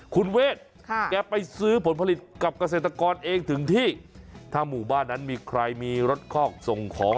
คุณเวทแกไปซื้อผลผลิตกับเกษตรกรเองถึงที่ถ้าหมู่บ้านนั้นมีใครมีรถคอกส่งของ